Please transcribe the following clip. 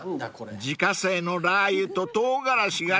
［自家製のラー油と唐辛子がたっぷり］